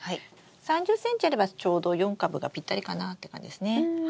３０ｃｍあればちょうど４株がぴったりかなって感じですね。